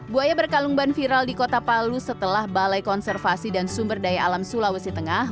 buaya berkalung ban viral di kota palu setelah balai konservasi dan sumber daya alam sulawesi tengah